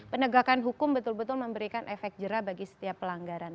penegakan hukum betul betul memberikan efek jerah bagi setiap pelanggaran